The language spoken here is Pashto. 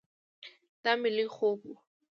دا مې لوی خوب ؤ